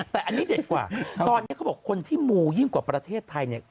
แต่อันนี้เด็ดกว่าตอนนี้เขาบอกคนที่มูยิ่งกว่าประเทศไทยเนี่ย